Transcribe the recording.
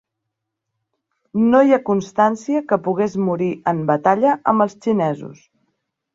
No hi ha constància que pogués morir en batalla amb els xinesos.